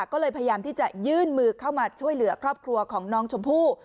ก็เลยพยายามที่จะยื่นมือเข้ามาช่วยเหลือครอบครัวของน้องชมพู่